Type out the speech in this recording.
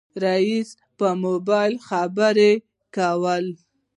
رئيسې په موبایل خبرې کولې.